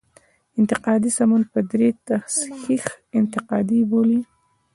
انتقادي سمون په دري تصحیح انتقادي بولي.